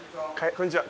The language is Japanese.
こんにちは。